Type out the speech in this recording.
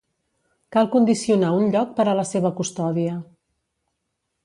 Cal condicionar un lloc per a la seva custòdia.